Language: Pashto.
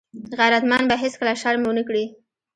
غیرتمند به هېڅکله شرم ونه کړي